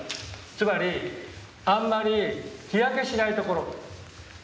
つまりあんまり日焼けしない所。